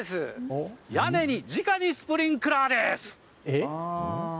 屋根にじかにスプリンクラーです。